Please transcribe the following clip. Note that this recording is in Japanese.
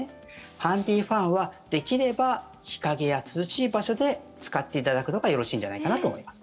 ハンディーファンはできれば日陰や涼しい場所で使っていただくのがよろしいんじゃないかなと思います。